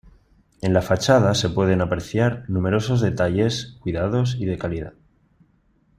En la fachada se pueden apreciar numerosos detalles cuidados y de calidad.